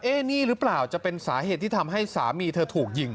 นี่หรือเปล่าจะเป็นสาเหตุที่ทำให้สามีเธอถูกยิง